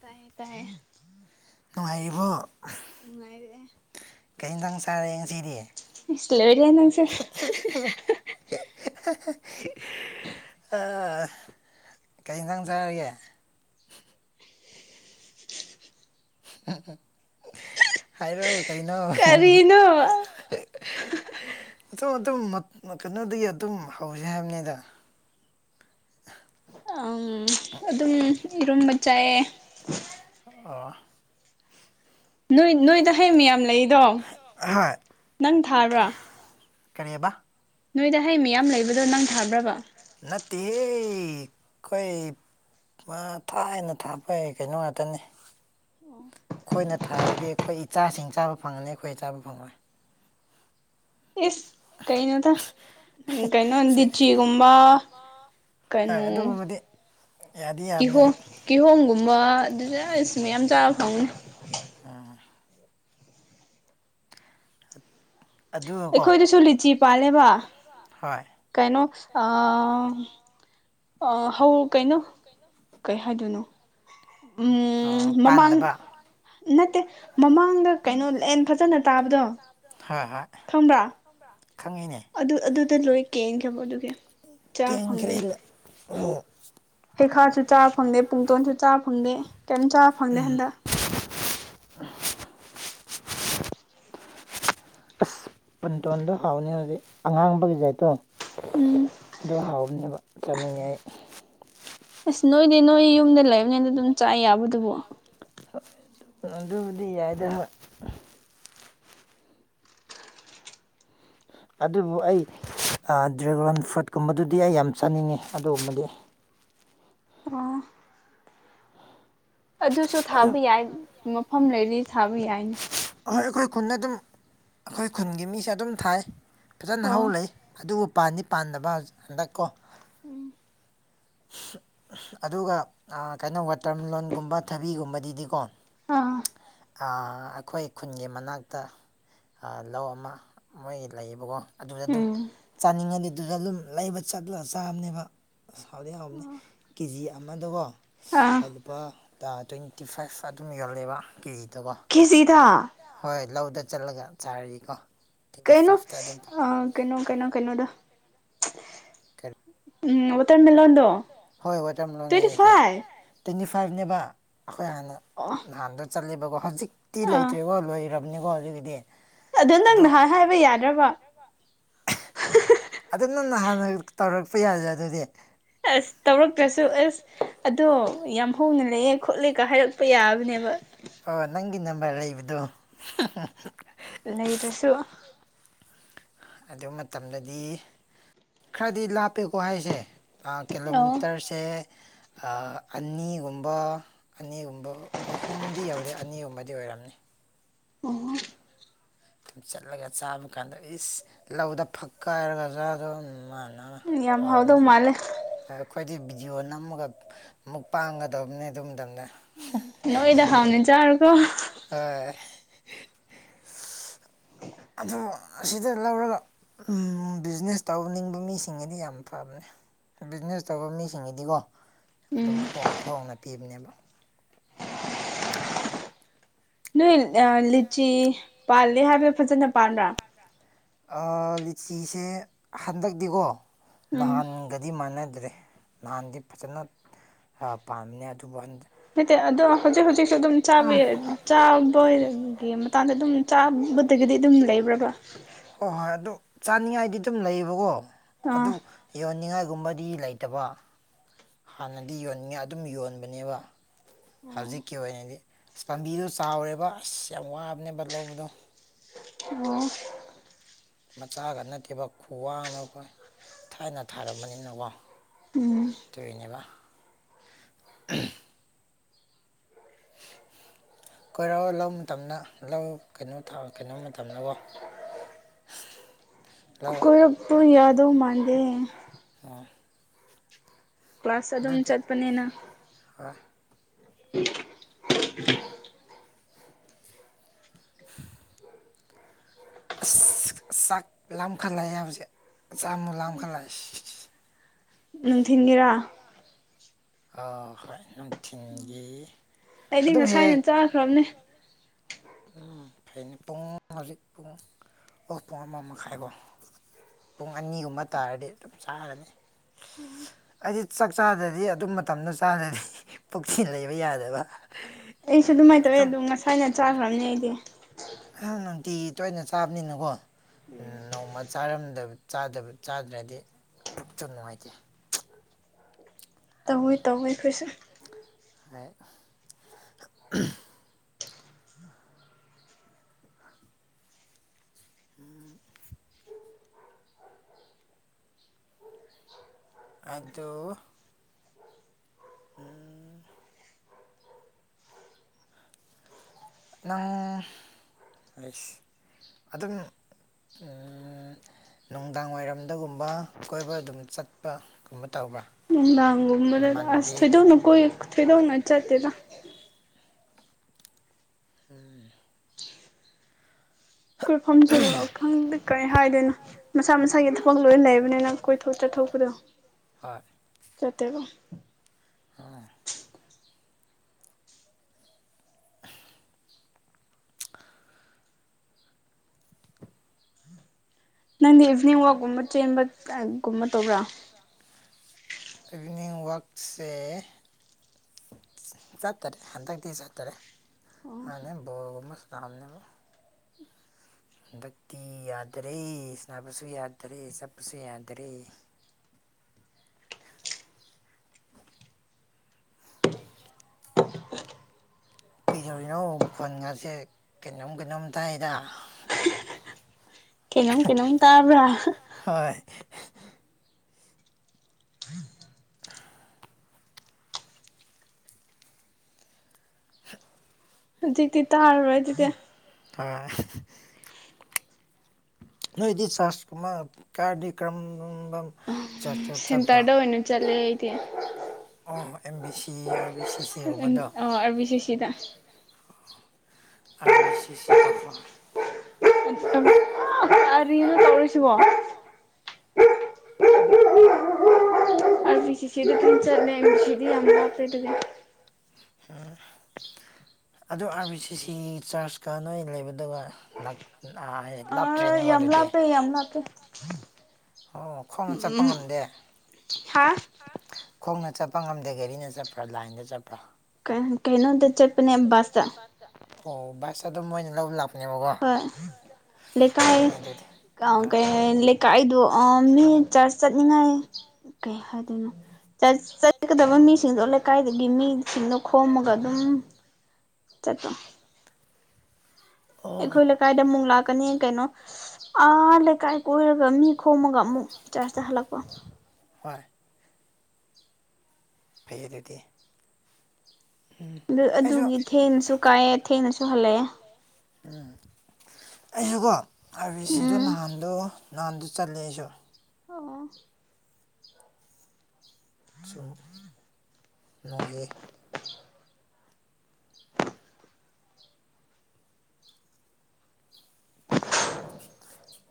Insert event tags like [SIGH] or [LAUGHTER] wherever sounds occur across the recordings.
ꯇꯥꯏ ꯇꯥꯏꯌꯦ ꯅꯨꯡꯉꯥꯏꯔꯤꯕꯣ ꯅꯨꯡꯉꯥꯏꯔꯦ ꯀꯩ ꯏꯟꯁꯥꯡ ꯆꯥꯔꯦ ꯉꯁꯤꯗꯤ [UNINTELLIGIBLE] ꯏꯁ ꯂꯣꯏꯔꯦꯍꯦ ꯅꯪꯁꯨ [UNINTELLIGIBLE] ꯑꯥ ꯀꯩ ꯏꯟꯁꯥꯡ ꯆꯥꯔꯒꯦ [UNINTELLIGIBLE] ꯍꯥꯏꯔꯣ ꯀꯩꯅꯣ ꯀꯔꯤꯅꯣ [UNINTELLIGIBLE] ꯑꯇꯨꯝ ꯑꯇꯨꯝ ꯀꯩꯅꯣꯗꯒꯤ ꯑꯗꯨꯝ ꯍꯧꯁꯦ ꯍꯥꯏꯕꯅꯤꯗ [UNINTELLIGIBLE] ꯑꯗꯨꯝ ꯏꯔꯨꯝꯕ ꯆꯥꯏꯑꯦ ꯑꯣ ꯅꯣꯏ ꯅꯣꯏꯗ ꯍꯩ ꯃꯌꯥꯝ ꯂꯩꯗꯣ ꯍꯣꯏ ꯅꯪ ꯊꯥꯕ꯭ꯔꯥ ꯀꯔꯤꯕ ꯅꯣꯏꯗ ꯍꯩ ꯃꯤꯌꯥꯝ ꯂꯩꯕꯗꯣ ꯅꯪ ꯊꯥꯕ꯭ꯔꯥꯕ ꯅꯠꯇꯦꯍꯦ ꯑꯩꯈꯣꯏ ꯃꯥ ꯊꯥꯏꯅ ꯊꯥꯕꯩ ꯀꯩꯅꯣ ꯉꯥꯛꯇꯅꯤ ꯑꯩꯈꯣꯏꯅ ꯊꯥꯔꯤꯗꯤ ꯑꯩꯈꯣꯏ ꯏꯆꯥꯁꯤꯡ ꯆꯥꯕ ꯐꯪꯉꯅꯤ ꯑꯩꯈꯣꯏ ꯆꯥꯕ ꯐꯪꯉꯣꯏ ꯏꯁ ꯀꯩꯅꯣꯗ ꯀꯩꯅꯣ ꯁꯦ ꯂꯤꯆꯤꯒꯨꯝꯕ ꯍꯣꯏ ꯀꯩꯅꯣ ꯑꯗꯨꯒꯨꯝꯕꯗꯤ ꯌꯥꯗꯤ ꯌꯥꯕꯅꯤ ꯀꯤꯍꯣꯝ ꯑꯗꯨ ꯀꯤꯍꯣꯝꯒꯨꯝꯕ ꯑꯗꯨꯗꯤ ꯑꯁ ꯃꯌꯥꯝ ꯆꯥꯕ ꯐꯪꯒꯅꯤ [UNINTELLIGIBLE] ꯎꯝ [UNINTELLIGIBLE] ꯑꯩꯈꯣꯏꯗꯁꯨ ꯂꯤꯆꯤ ꯄꯥꯜꯂꯦꯕ ꯍꯣꯏ ꯀꯩꯅꯣ ꯑ ꯑ ꯍꯧ ꯀꯩꯅꯣ ꯀꯩ ꯍꯥꯏꯗꯣꯏꯅꯣ ꯎꯝ ꯑꯥ, ꯃꯃꯥꯡ ꯄꯥꯟꯗꯕ ꯅꯠꯇꯦ ꯃꯃꯥꯡꯗ ꯀꯩꯅꯣ ꯂꯦꯟ ꯐꯖꯅ ꯇꯥꯕꯗꯣ ꯍꯥꯥ ꯍꯥ ꯈꯪꯕ꯭ꯔ ꯈꯪꯉꯤꯅꯦ ꯑꯗꯨ ꯑꯗꯨꯗ ꯂꯣꯏ ꯀꯦꯟꯈꯔꯕ ꯑꯗꯨꯗꯤ ꯀꯦꯟꯈ꯭ꯔꯦ ꯑꯣ ꯍꯩꯈꯥꯁꯨ ꯆꯥꯕ ꯐꯪꯗꯦ ꯄꯨꯡꯇꯣꯟꯁꯨ ꯆꯥ ꯐꯪꯗꯦ ꯀꯩꯝ ꯆꯥꯕ ꯐꯪꯗꯦ ꯎꯝ ꯍꯟꯗꯛ ꯑꯁ ꯄꯨꯟꯇꯣꯟꯗꯣ ꯍꯥꯎꯅꯤ ꯍꯧꯖꯤꯛ ꯑꯉꯥꯡꯕꯒꯤꯒꯗꯣ ꯎꯝ ꯑꯗꯨ ꯍꯥꯎꯕꯅꯦꯕ ꯆꯥꯅꯤꯡꯉꯦ ꯑꯩ ꯑꯁ ꯅꯣꯏꯗꯤ ꯅꯣꯏ ꯌꯨꯝꯗ ꯂꯩꯕꯅꯤꯅ ꯑꯗꯨꯝ ꯆꯥ ꯌꯥꯕꯗꯨꯕꯨ ꯑꯗꯨꯕꯨꯗꯤ ꯌꯥꯏ ꯑꯗꯣ ꯑꯗꯨꯕꯨ ꯑꯩ ꯗ꯭ꯔꯦꯒꯣꯟ ꯐ꯭ꯔꯨꯏꯠꯀꯨꯝꯕꯗꯨꯗꯤ ꯑꯩ ꯌꯥꯝ ꯆꯥꯅꯤꯡꯉꯤ ꯑꯗꯨꯒꯨꯝꯕꯗꯤ ꯑꯣ ꯑꯗꯨꯁꯨ ꯑꯗꯨ ꯊꯥꯕ ꯌꯥꯏ ꯃꯐꯝ ꯂꯩꯔꯗꯤ ꯊꯥꯕ ꯌꯥꯏꯅꯦ ꯍꯣꯏ ꯑꯩꯈꯣꯏ ꯈꯨꯟꯗ ꯑꯗꯨꯝ ꯑꯩꯈꯣꯏ ꯈꯨꯟꯒꯤ ꯃꯤꯁꯦ ꯑꯗꯨꯝ ꯊꯥꯏ ꯐꯖꯅ ꯑꯣ ꯍꯧ ꯂꯩ ꯑꯗꯨꯕꯨ ꯄꯥꯟꯗꯤ ꯄꯥꯟꯗꯕ ꯍꯟꯗꯛ ꯀꯣ ꯎꯝ ꯑꯗꯨꯒ ꯑꯥ ꯀꯩꯅꯣ ꯋꯥꯇꯔꯃꯤꯂꯣꯟꯒꯨꯝꯕ ꯊꯕꯤꯒꯨꯝꯕꯗꯤꯗꯤꯀꯣ ꯑꯥ ꯑꯥ ꯑꯩꯈꯣꯏ ꯈꯨꯟꯒꯤ ꯃꯅꯥꯛꯇ ꯂꯧ ꯑꯃ ꯃꯣꯏꯒꯤ ꯂꯩꯑꯦꯕꯀꯣ ꯑꯗꯨꯗ ꯑꯗꯨꯝ ꯎꯝ ꯆꯥꯅꯤꯡꯉꯗꯤ ꯑꯗꯨꯗ ꯑꯗꯨꯝ ꯂꯩꯕ ꯆꯠꯂꯒ ꯆꯥꯕꯅꯦꯕ ꯑꯁ ꯍꯥꯎꯗꯤ ꯍꯥꯎꯕꯅꯦ ꯀꯦꯖꯤ ꯑꯃꯗꯀꯣ ꯑꯥ ꯂꯨꯄꯥ ꯇ꯭ꯋꯦꯟꯇꯤ ꯐꯥꯏꯚ ꯑꯗꯨꯝ ꯌꯜꯂꯦꯕ ꯀꯦꯖꯤꯗꯀꯣ ꯀꯤꯖꯤꯗ ꯍꯣꯏ ꯂꯧꯗ ꯆꯠꯂꯒ ꯆꯥꯔꯗꯤꯀꯣ ꯇ꯭ꯋꯦꯟꯇꯤ ꯀꯩꯅꯣ ꯐꯥꯏꯚꯇ ꯑꯗꯨꯝ ꯑ ꯀꯩꯅꯣ ꯀꯩꯅꯣ ꯀꯩꯅꯣꯗꯣ ꯀꯔꯤ ꯎꯝ ꯋꯥꯇꯔꯃꯦꯂꯣꯟꯗꯣ ꯍꯣꯏ ꯋꯥꯇꯔꯃꯂꯣꯅꯦ ꯇ꯭ꯋꯦꯟꯇꯤ ꯑꯩꯁꯦ ꯐꯥꯏꯚ ꯇ꯭ꯋꯦꯟꯇꯤ ꯐꯥꯏꯚꯅꯦꯕ ꯑꯩꯈꯣꯏ ꯍꯥꯟꯅ ꯑꯣ ꯅꯍꯥꯟꯗꯣ ꯆꯠꯂꯦꯕꯀꯣ ꯍꯧꯖꯤꯛꯇꯤ ꯑꯥ ꯂꯩꯇ꯭ꯔꯦꯀꯣ ꯂꯣꯏꯔꯕꯅꯤꯀꯣ ꯍꯧꯖꯤꯒꯤꯗꯤ ꯑꯗꯣ ꯅꯪ ꯅꯍꯥꯟ ꯍꯥꯏꯕ ꯌꯥꯗ꯭ꯔꯕ ꯑꯗꯨ ꯅꯪꯅ ꯍꯥꯟꯅ ꯇꯧꯔꯛꯄ ꯌꯥꯗꯔ ꯑꯗꯨꯗꯤ ꯑꯁ ꯇꯧꯔꯛꯇ꯭ꯔꯁꯨ ꯑꯁ ꯑꯗꯣ ꯌꯥꯝ ꯍꯧꯣꯡꯅ ꯂꯩꯑꯦ ꯈꯣꯠꯂꯦꯒ ꯍꯥꯏꯔꯛꯄ ꯌꯥꯕꯅꯦꯕ ꯑꯣ ꯅꯪꯒꯤ ꯅꯝꯕꯔ ꯂꯩꯕꯗꯣ ꯂꯩꯔꯁꯨ ꯑꯗꯨ ꯃꯇꯝꯗꯗꯤ ꯈꯔꯗꯤ ꯂꯥꯞꯄꯦꯀꯣ ꯍꯥꯏꯁꯦ ꯑꯣ ꯀꯤꯂꯣꯃꯤꯇꯔꯁꯦ ꯑꯥ ꯑꯅꯤꯒꯨꯝꯕ ꯑꯅꯤꯒꯨꯝꯕ ꯑꯍꯨꯝꯗꯤ ꯌꯨꯗꯦ ꯑꯅꯤꯒꯨꯝꯕꯗꯤ ꯑꯣꯏꯔꯝꯅꯤ ꯎꯝ [UNINTELLIGIBLE] ꯆꯠꯂꯒ ꯆꯥꯕ ꯀꯥꯟꯗ ꯏꯁ ꯂꯧꯗ ꯐꯛꯀꯥꯏꯔꯒ ꯆꯥꯗꯨꯝ ꯃꯥꯥꯟ ꯌꯥꯝ ꯍꯥꯎꯗꯧ ꯃꯥꯟꯂꯦ ꯑꯩꯈꯣꯏꯗꯤ ꯚꯤꯗꯤꯑꯣ ꯅꯝꯃꯒ ꯃꯨꯛꯄꯥꯡꯒ ꯇꯧꯕꯅꯦ ꯑꯗꯨ ꯃꯇꯝꯗ ꯅꯏꯗꯥ ꯈꯥꯎꯅꯤ ꯆ ꯑꯔꯀꯣ ꯑ ꯑꯗꯨ ꯑꯁꯤꯗ ꯂꯧꯔꯒ ꯕꯤꯖꯤꯅꯦꯁ ꯇꯧꯅꯤꯡꯕ ꯃꯤꯁꯤꯡꯒꯗꯤ ꯌꯥꯝ ꯐꯕꯅꯤ ꯕꯤꯖꯤꯅꯦꯁ ꯇꯧꯕ ꯃꯤꯁꯤꯡꯒꯤꯗꯤꯀꯣ ꯑꯗꯨꯝ ꯎꯝ ꯍꯣꯡ ꯍꯣꯡꯅ ꯄꯤꯕꯅꯦꯕ ꯅꯣꯏ ꯑꯥ ꯂꯤꯆꯤ ꯄꯥꯜꯂꯦ ꯍꯥꯏꯕꯗꯣ ꯐꯖꯅ ꯄꯥꯟꯕ꯭ꯔꯥ ꯑꯥ ꯂꯤꯆꯤꯁꯦ ꯍꯟꯗꯛꯇꯤꯀꯣ ꯎꯝ ꯅꯍꯥꯟ ꯒꯗꯤ ꯃꯥꯟꯅꯗ꯭ꯔꯦ ꯅꯍꯥꯟꯗꯤ ꯐꯖꯅ ꯄꯥꯝꯃꯤꯅꯦ ꯑꯗꯨꯕꯨ ꯍꯟ ꯅꯇꯦ ꯑꯗꯣ ꯍꯧꯖꯤꯛ ꯍꯧꯖꯤꯛꯁꯨ ꯑꯗꯨꯝ ꯆꯥ ꯎꯝ ꯆꯥꯕꯒꯤ ꯃꯇꯥꯡꯗ ꯑꯗꯨꯝ ꯆꯥꯕꯗꯒꯤꯗꯤ ꯑꯗꯨꯝ ꯂꯩꯕ꯭ꯔꯕ ꯍꯣꯏ ꯍꯣꯏ ꯑꯗꯨ ꯆꯥꯅꯤꯡꯉꯥꯏꯗꯤ ꯑꯗꯨꯝ ꯂꯩꯌꯦꯕꯀꯣ ꯑꯥ ꯑꯗꯨ ꯌꯣꯟꯅꯤꯡꯉꯥꯏꯒꯨꯝꯕꯗꯤ ꯂꯩꯇꯕ ꯍꯥꯟꯅꯗꯤ ꯌꯣꯟꯅꯤꯡꯉꯥꯏ ꯑꯗꯨꯝ ꯌꯣꯟꯕꯅꯦꯕ ꯑꯣ ꯍꯧꯖꯤꯛꯀꯤ ꯑꯣꯏꯅꯗꯤ ꯑꯁ ꯄꯥꯝꯕꯤꯗꯨꯣ ꯆꯥꯎꯔꯦꯕ ꯑꯁ ꯌꯥꯝ ꯋꯥꯕꯅꯦꯕ ꯂꯧꯕꯗꯣ ꯑꯣ ꯃꯆꯥꯒ ꯅꯠꯇꯦꯕ ꯈꯨꯋꯥꯡꯅ ꯑꯩꯈꯣꯏ ꯊꯥꯏꯅ ꯊꯥꯔꯝꯕꯅꯤꯅꯀꯣ ꯎꯝ ꯇ ꯏꯅꯦꯕ [UNINTELLIGIBLE] [UNINTELLIGIBLE] [UNINTELLIGIBLE] [UNINTELLIGIBLE] ꯀꯣꯏꯔꯛꯑꯣ ꯂꯧ ꯃꯇꯝꯗ ꯂꯧ ꯀꯩꯅꯣ ꯀꯩꯅꯣ ꯃꯇꯝꯗꯀꯣ [INAUDIBLE] ꯂꯧ ꯀꯣꯠ ꯄꯨꯡ ꯌꯥꯗꯧ ꯃꯥꯥꯟꯗꯦ ꯑꯥ ꯀ꯭ꯂꯥꯁ ꯑꯗꯨꯝ ꯑꯗꯨꯗꯤ ꯆꯠꯄꯅꯦꯅ ꯍꯣꯏ [INAUDIBLE] ꯑꯁ ꯆꯥꯛ ꯂꯥꯝꯈꯠꯂꯛꯑꯦ ꯍꯧꯖꯤꯛ ꯆꯛ ꯂꯥꯝꯈꯠꯂꯛꯑꯦ ꯅꯨꯡꯊꯤꯟꯒꯤꯔꯥ ꯑꯥ ꯍꯣꯏ ꯅꯨꯡꯊꯤꯟꯒꯤ ꯑꯗꯨꯝ ꯍꯦꯛ ꯈꯔꯝꯅꯦ ꯍꯦꯛ ꯎꯝ ꯐꯩꯅꯦ ꯄꯨꯡ ꯍꯧꯖꯤꯛ ꯄꯨꯡ ꯑꯣ ꯄꯨꯡ ꯑꯃ ꯃꯈꯥꯏꯕꯣ ꯄꯨꯡ ꯑꯅꯤꯒꯨꯝꯕ ꯇꯥꯔꯗꯤ ꯑꯗꯨꯝ ꯆꯥꯔꯅꯤ ꯑꯩꯗꯤ ꯆꯥꯛ ꯆꯥꯗꯗꯤ ꯑꯗꯨꯝ ꯃꯇꯝꯗ ꯆꯥꯔꯅꯤ ꯄꯨꯛꯁꯤ ꯂꯩꯕ ꯌꯥꯗꯕ ꯑꯩꯁꯨ ꯑꯗꯨꯃꯥꯏꯅ ꯇꯧꯋꯦ ꯑꯗꯨꯝ ꯑꯗꯨ ꯉꯁꯥꯏꯅ ꯆꯥꯈ꯭ꯔꯕꯅꯦ ꯑꯩꯗꯤ ꯍꯥ ꯅꯨꯡꯇꯤ ꯇꯣꯏꯅ ꯆꯥꯕꯅꯤꯅꯀꯣ ꯅꯣꯡꯃ ꯥꯆꯥꯔꯝꯗ ꯆꯥꯗꯕ ꯆꯥꯗ꯭ꯔꯗꯤ ꯄꯨꯛꯆ ꯅꯨꯡꯉꯥꯏꯇꯦ ꯇꯧꯋꯏ ꯇꯧꯋꯏ ꯑꯩꯈꯣꯏꯁꯨ ꯑꯩ ꯎꯝ ꯎꯝ ꯑꯗꯨ ꯑꯥ ꯅꯪ ꯂꯩꯁ ꯑꯗꯨꯝ ꯅꯨꯡꯗꯥꯡ ꯋꯥꯏꯔꯝꯗꯒꯨꯝꯕ ꯀꯣꯏꯕ ꯑꯗꯨꯝ ꯆꯠꯄꯒꯨꯝꯕ ꯇꯧꯕ꯭ꯔꯥ ꯅꯨꯡꯗꯥꯪꯒꯨꯝꯕꯅꯗꯤ ꯑꯁ ꯅꯃꯥꯟꯅꯕꯤ ꯊꯣꯏꯗꯣꯛꯅ ꯀꯣꯏ ꯊꯣꯏꯗꯣꯛꯅꯥ ꯆꯠꯇꯦꯗ ꯑꯗꯨꯅꯦ ꯀꯣꯏꯐꯝꯁꯨ ꯂꯣꯛ ꯈꯪꯗꯦ ꯀꯔꯤ ꯍꯥꯏꯗꯣꯏꯅꯣ ꯃꯁꯥ ꯃꯁꯥꯒꯤ ꯊꯕꯛ ꯂꯣꯏ ꯂꯩꯕꯅꯤꯅ ꯀꯣꯏꯊꯣꯛ ꯆꯠꯊꯣꯛꯄꯗꯣ ꯍꯣꯏ ꯆꯠꯇꯦꯉꯣ ꯑꯥ [INAUDIBLE] ꯅꯪꯗꯤ ꯏꯚꯤꯅꯤꯡ ꯋꯥꯛꯀꯨꯝꯕ ꯆꯦꯟꯕꯒꯨꯝꯕ ꯇꯧꯕ꯭ꯔꯥ ꯏꯚꯅꯤꯡ ꯋꯥꯛꯁꯦ ꯆꯠꯇꯔꯦ ꯍꯟꯗꯛꯇꯤ ꯆꯠꯇꯔꯦ ꯑꯣ ꯃꯥꯅꯦ ꯕꯣꯔꯒꯨꯝꯕ ꯇꯝꯅꯦꯕꯣ ꯍꯟꯗꯛꯇꯤ ꯌꯥꯗꯔꯦ ꯁꯅꯕꯁꯨ ꯌꯥꯗꯔꯦ ꯆꯠꯄꯁꯨ ꯌꯥꯗꯔꯦ ꯀꯤꯗꯧꯔꯤꯅꯣ ꯈꯟꯒꯥꯁꯦ ꯀꯩꯅꯣꯝ ꯀꯩꯅꯣꯝꯇꯥꯏꯗ ꯀꯩꯅꯣꯨꯝ ꯀꯩꯅꯣꯝ ꯇꯥꯕ꯭ꯔ ꯍꯣꯏ ꯑ ꯖꯤꯗꯤ ꯇ ꯍꯥꯔ ꯔ ꯑꯗꯨꯗ ꯑ ꯅꯣꯏꯗꯤ ꯆꯁ ꯃꯥ ꯀ ꯀ꯭ꯔꯝꯝꯕ ꯁꯦꯟꯇꯔꯗ ꯑꯣꯏꯅ ꯆꯠꯂꯦ ꯑꯩꯗꯤ ꯑꯣ M B C R B C ꯁꯤꯒꯨꯝꯕꯗꯣ ꯎ ꯑ ꯑꯕꯤ ꯁꯤꯦ ꯁꯤꯗ ꯑꯔꯕꯤ ꯁꯤ ꯁꯤ ꯑꯣ ꯍꯣ ꯑꯔꯤꯔ ꯇꯧꯔꯤꯁꯤꯕꯣ ꯑꯔꯕꯤ ꯁꯤ ꯁꯤꯗꯤ ꯆꯠꯂꯦ ꯉꯥꯁꯤꯗꯤ ꯌꯥꯝ ꯂꯞꯄꯦ ꯑꯗꯨꯗꯤ ꯎꯝ ꯑꯗꯨ ꯑꯥꯔ ꯕꯤ ꯁꯤ ꯁꯤ ꯆꯥꯔꯖ ꯀꯅꯩ ꯂꯩꯕꯗꯨꯒ ꯑꯥ ꯂꯥꯞꯇ꯭ꯔꯦꯅꯦ ꯑꯗꯨꯗꯤ ꯌꯥꯝꯅ ꯂꯞꯄꯦ ꯑꯣ ꯈꯣꯡꯅ ꯆꯠꯄ ꯉꯝꯗꯦ ꯍꯥꯥ ꯍꯥꯥ ꯈꯣꯡꯅ ꯆꯠꯄ ꯉꯝꯗꯦ ꯒꯥꯔꯤꯅ ꯆꯠꯄ꯭ꯔꯥ ꯂꯥꯏꯟꯗ ꯆꯠꯄ꯭ꯔꯥ ꯀ ꯀꯩꯅꯣꯗꯣ ꯆꯄꯅꯦ ꯕꯥꯁ ꯑꯣꯁꯗ ꯃꯣꯏꯅꯞ ꯂ ꯍꯣꯏ ꯀꯥꯏ ꯐꯩꯅꯦ ꯑꯗꯨꯗꯤ ꯍ ꯍꯣꯏ ꯀꯦ ꯂꯩꯀꯥꯏꯗꯣ ꯃꯤ ꯆꯥꯔꯖ ꯆꯠꯅꯤꯡꯉꯥꯏ ꯀꯩ ꯍꯥꯏꯗꯣꯏꯅꯣ ꯆꯠꯀꯗꯕ ꯃꯤꯁꯤꯡꯗꯣ ꯂꯩꯀꯥꯏꯗꯒꯤ ꯃꯤꯁꯤꯡꯗꯣ ꯈꯣꯝꯃꯒ ꯑꯗꯨꯝ ꯆꯠꯠꯇꯣ ꯑꯣ ꯑꯩꯈꯣꯏ ꯂꯩꯀꯥꯏꯗ ꯑꯃꯨꯛ ꯂꯥꯛꯀꯅꯤ ꯀꯩꯅꯣ ꯑꯥ ꯂꯩꯀꯥꯏ ꯀꯣꯏꯔꯒ ꯃꯤ ꯈꯣꯝꯃꯒ ꯑꯃꯨꯛ ꯆꯥꯥꯔꯖꯇ ꯍꯜꯂꯛꯄ ꯍꯣꯏ ꯐꯩ ꯑꯗꯨꯗꯤ ꯎꯝ ꯑꯗꯨ ꯑꯩꯁꯨ ꯑꯗꯨꯒꯤ ꯊꯦꯡꯅꯁꯨ ꯀꯥꯏꯑꯦ ꯊꯦꯡꯅꯁꯨ ꯍꯜꯂꯛꯑꯦ ꯎꯝ ꯑꯩꯁꯨꯀꯣ ꯍꯥꯏꯕꯤ ꯁꯤꯗꯣ ꯎꯝ ꯅꯍꯥꯟꯗꯣ ꯅꯍꯥꯟꯗꯣ ꯆꯠꯂꯦ ꯑꯩꯁꯨ ꯑꯣ ꯁꯨꯝ ꯅꯨꯡꯉꯥꯏꯌꯦ [UNINTELLIGIBLE]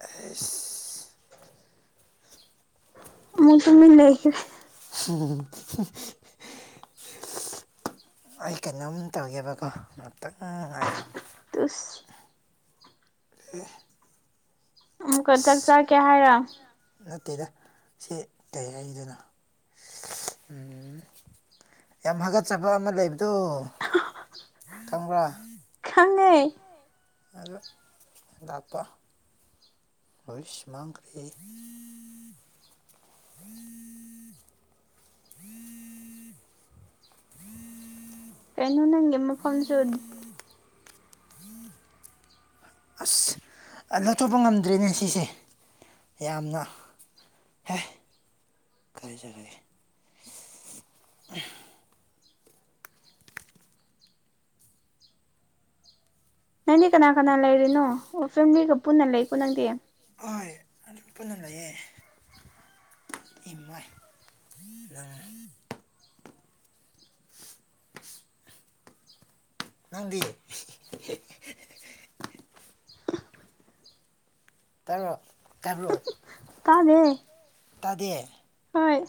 ꯑꯦꯁ [INAUDIBLE] ꯑꯃꯨꯛ ꯇꯨꯃꯤꯟ ꯂꯩꯈ꯭ꯔꯦ ꯎꯝ [INAUDIBLE] ꯑꯩ ꯀꯩꯅꯣꯝ ꯇꯧꯒꯦꯕꯀꯣ ꯉꯥꯛꯇꯪ ꯉꯥꯢꯌꯣ ꯇꯁ [INAUDIBLE] ꯑ [INAUDIBLE] ꯑꯃꯨꯛꯀ ꯆꯥꯛ ꯆꯥꯛꯀꯦ ꯍꯥꯏꯔꯣ ꯅꯠꯇꯦꯗ ꯁꯤ ꯀꯩ ꯍꯥꯢꯗꯨꯢꯅꯣ ꯌꯥꯝ ꯍꯥꯒꯠꯆꯕ ꯑꯃ ꯂꯩꯕꯗꯣ ꯈꯪꯕ꯭ꯔꯥ ꯈꯉꯩ ꯑꯗꯣ ꯂꯥꯛꯄ ꯕꯤꯁ꯭ꯃꯥꯡꯒ꯭ꯔꯍꯦ ꯎꯝ ꯎꯝ ꯀꯩꯅꯣ ꯅꯪꯒꯤ ꯃꯐꯝꯁꯨ ꯑꯁ ꯑ ꯅꯇꯣꯞꯄ ꯉꯝꯗ꯭ꯔꯦꯅꯦ ꯁꯤꯁꯦ ꯌꯥꯝꯅ ꯍ ꯀꯔꯦ ꯆ ꯀꯦ ꯅꯪꯗꯤ ꯀꯅꯥ ꯀꯅꯥ ꯂꯩꯔꯤꯅꯣ ꯑꯣ ꯐꯦꯃꯤꯂꯤꯒ ꯄꯨꯟꯅ ꯂꯩꯀꯣ ꯅꯪꯗꯤ ꯑꯍꯣꯏ ꯑꯗꯨꯝ ꯄꯨꯟꯅ ꯂꯩꯌꯦ ꯏꯥꯏ ꯑ ꯅꯪꯗꯤ ꯇꯥꯕ꯭ꯔꯣ ꯇꯥꯕ꯭ꯔꯣ ꯇꯥꯗꯦ ꯇꯥꯗꯦ ꯍꯣꯏ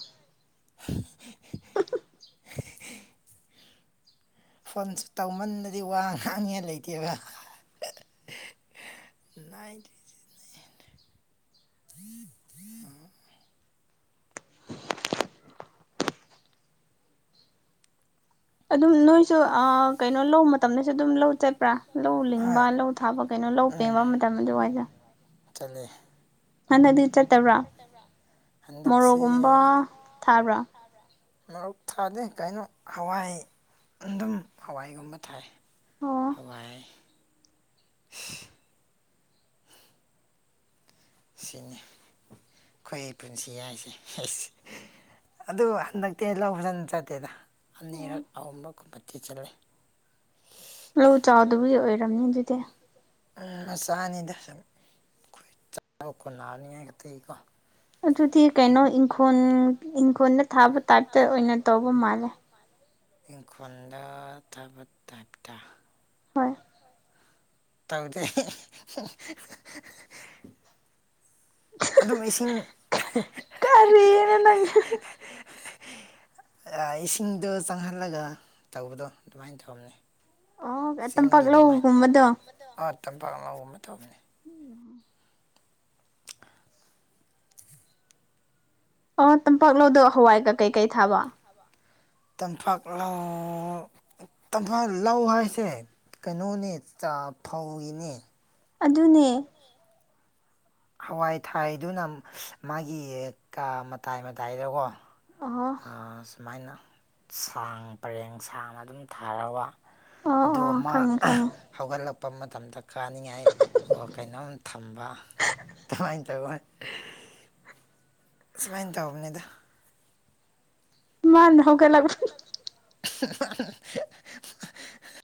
[UNINTELLIGIBLE] ꯐꯣꯟꯁꯨ ꯇꯧꯃꯟꯅꯗꯤ ꯋꯥ ꯉꯥꯡꯅꯤꯡꯉꯥꯢ ꯂꯩꯇꯦꯕ ꯏ [INAUDIBLE] [UNINTELLIGIBLE] ꯑꯗꯨꯝ ꯅꯣꯏꯁꯨ ꯀꯩꯅꯣ ꯂꯧ ꯃꯇꯝꯗꯁꯨ ꯑꯗꯨꯝ ꯂꯧ ꯆꯠꯄ꯭ꯔꯥ ꯂꯧ ꯂꯤꯡꯕ ꯍꯣꯏ ꯂꯧ ꯊꯥꯕ ꯀꯩꯅꯣ ꯂꯧ ꯎꯝ ꯄꯦꯡꯕ ꯃꯇꯝ ꯑꯗꯨ ꯋꯥꯏꯗ ꯆꯠꯂꯦ ꯍꯥꯟꯅꯗꯤ ꯆꯠꯇꯕ꯭ꯔꯥ ꯍꯟꯗꯛꯁꯦ ꯃꯣꯔꯣꯛꯒꯨꯝꯕ ꯊꯥꯕ꯭ꯔꯥ ꯃꯔꯣꯛ ꯊꯥꯗꯦ ꯀꯩꯅꯣ ꯍꯋꯥꯏ ꯑꯗꯨꯝ ꯍꯋꯥꯏꯒꯨꯝꯕ ꯊꯥꯏ ꯑꯣ ꯍꯋꯥꯏ ꯁꯤꯅꯤ ꯑꯩꯈꯣꯢ ꯄꯨꯟꯁꯤ ꯍꯥꯏꯁꯦ ꯑꯁ ꯑꯗꯨ ꯍꯟꯗꯛꯇꯤ ꯂꯧ ꯐꯖꯅ ꯆꯠꯇꯦꯗ ꯑꯣ ꯑꯅꯤꯔꯛ ꯑꯍꯨꯝꯔꯛ ꯀꯨꯝꯕ ꯆꯥꯠꯂꯦ ꯂꯧ ꯆꯥꯛꯗꯕꯒꯤ ꯑꯣꯏꯔꯝꯅꯤ ꯑꯗꯨꯗꯤ ꯑꯝ ꯃꯆꯥꯅꯤꯗ ꯀꯅꯥꯅꯤꯇꯩ ꯀꯣ [INAUDIBLE] ꯑꯗꯨꯗꯤ ꯀꯩꯅꯣ ꯏꯪꯈꯣꯜ ꯏꯪꯈꯣꯜꯗ ꯊꯥꯕ ꯇꯥꯏꯞꯇ ꯑꯣꯏꯅ ꯇꯧꯕ ꯃꯥꯜꯂꯦ ꯏꯪꯈꯣꯜꯗ ꯊꯥꯕ ꯇꯥꯏꯞꯇꯥ ꯍꯣꯏ ꯇꯧꯗꯦ ꯑꯗꯨꯝ ꯏꯁꯤꯡ ꯀꯔꯤꯅꯣ ꯅꯪ ꯏꯁꯤꯡꯗꯣ ꯆꯪꯍꯜꯂꯒ ꯇꯧꯕꯗꯣ ꯑꯗꯨꯃꯥꯏꯅ ꯇꯧꯅꯦ ꯑꯣ ꯆꯤꯡꯒꯤ ꯑꯗꯨꯃꯥꯏ ꯇꯝꯄꯥꯛꯂꯧꯒꯨꯝꯕꯗꯣ ꯇꯝꯄꯥꯛ ꯑ ꯑꯃ ꯇꯧꯕꯅꯦ [UNINTELLIGIBLE] ꯑꯣ ꯇꯝꯄꯥꯛ ꯂꯧꯗꯣ ꯍꯋꯥꯏꯒ ꯀꯩꯀꯩ ꯊꯥꯕ ꯇꯝꯄꯥꯛ ꯂꯥꯎ ꯇꯝꯐꯥ ꯂꯧ ꯍꯥꯏꯁꯦ ꯀꯩꯅꯣꯅꯦ ꯆꯥ ꯐꯧꯒꯤꯅꯦ ꯑꯗꯨꯅꯦ ꯍꯋꯥꯏ ꯊꯥꯏꯗꯨꯅ ꯃꯥꯒꯤ ꯀ ꯃꯇꯥꯏ ꯃꯇꯥꯏꯗꯀꯣ ꯑꯣ ꯁꯨꯃꯥꯏꯅ ꯁꯥꯡ ꯄꯔꯦꯡ ꯁꯥꯡ ꯑꯗꯨꯝ ꯊꯥꯔꯒ ꯑꯣ ꯑꯗꯨ ꯑꯣ ꯑꯃ ꯈꯪꯉꯦ ꯈꯪꯉꯦ ꯍꯧꯒꯠꯂꯛꯄ ꯃꯇꯝꯗ ꯀꯥꯅꯤꯡꯉꯥꯏ ꯑꯣ ꯀꯩꯅꯣꯝ ꯊꯝꯕ ꯑꯗꯨꯃꯥꯏꯅ ꯇꯧꯋ ꯁꯃꯥꯏꯅ ꯇ ꯍꯅꯤꯗ ꯏꯃ ꯅꯧ ꯀꯦ ꯂꯕ [UNINTELLIGIBLE]